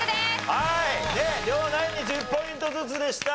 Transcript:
はい両ナインに１０ポイントずつでした。